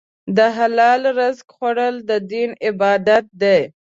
د حلال رزق خوړل د دین عبادت دی.